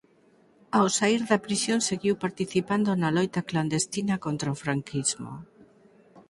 Ao saír da prisión seguiu participando na loita clandestina contra o franquismo.